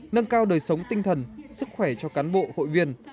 nâng cao đời sống tinh thần sức khỏe cho cán bộ hội viên